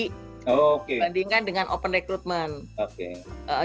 dibandingkan dengan open recruitment